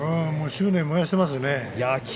執念を燃やしていますね。